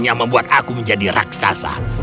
yang membuat aku menjadi raksasa